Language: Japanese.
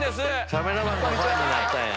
カメラマンがファンになったんや。